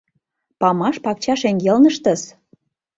Памаш пакча шеҥгелныштыс!